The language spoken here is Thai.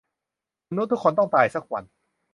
"มนุษย์ทุกคนต้องตายสักวัน"